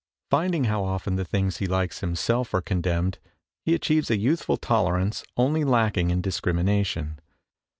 Finding how often the things he likes himself are condemned, he achieves a youthful tolerance only lacking in discrimi nation.